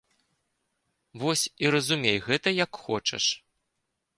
Вось і разумей гэта як хочаш.